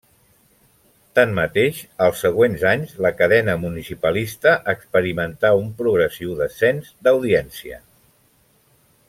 Tanmateix, als següents anys la cadena municipalista experimentar un progressiu descens d'audiència.